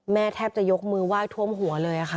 แม่แทบจะยกมือว่ายท่วมหัวเลยค่ะ